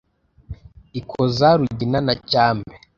ikoza rugina na cyambe